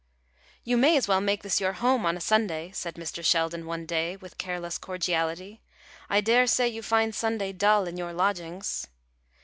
"You may as well make this your home on a Sunday," said Mr. Sheldon one day, with careless cordiality; "I dare say you find Sunday dull in your lodgings."